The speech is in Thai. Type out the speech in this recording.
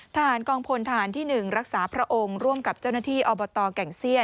ทหารกองพลทหารที่๑รักษาพระองค์ร่วมกับเจ้าหน้าที่อบตแก่งเซีย